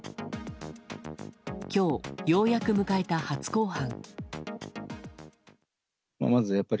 今日ようやく迎えた初公判。